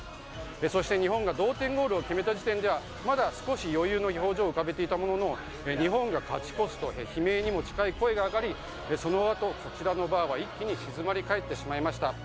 そして日本が同点ゴールを決めた時点ではまだ少し余裕の表情を浮かべていたものの日本が勝ち越すと悲鳴にも近い声が上がりその後、こちらのバーは一気に静まり返ってしまいました。